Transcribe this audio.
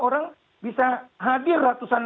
orang bisa hadir ratusan